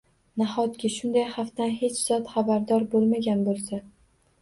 Nahotki shunday xavfdan hech zot xabardor bo`lmagan bo`lsa